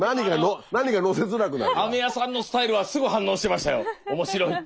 飴屋さんのスタイルはすぐ反応してましたよ面白いって。